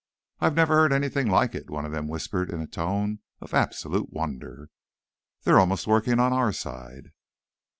"I've never heard anything like it," one of them whispered in a tone of absolute wonder. "They're almost working on our side."